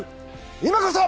今こそ。